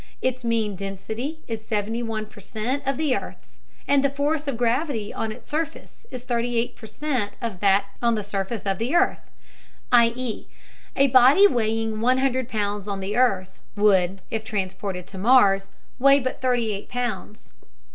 Its mean density is 71 per cent of the earth's, and the force of gravity on its surface is 38 per cent of that on the surface of the earth; i.e., a body weighing one hundred pounds on the earth would, if transported to Mars, weigh but thirty eight pounds.